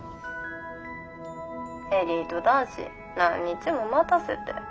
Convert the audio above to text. エリート男子何日も待たせて。